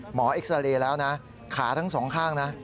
เอ็กซาเรย์แล้วนะขาทั้งสองข้างนะ